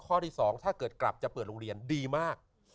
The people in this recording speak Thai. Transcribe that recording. ข้อที่๒ถ้าเกิดกลับจะเปิดโรงเรียนดีมาก